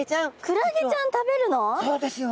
そうですよ。